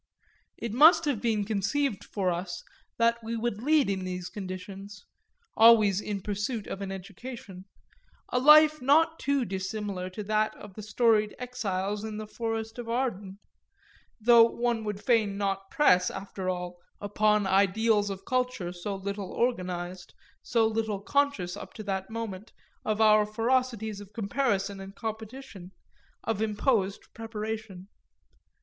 It must have been conceived for us that we would lead in these conditions always in pursuit of an education a life not too dissimilar to that of the storied exiles in the forest of Arden; though one would fain not press, after all, upon ideals of culture so little organised, so little conscious, up to that moment, of our ferocities of comparison and competition, of imposed preparation.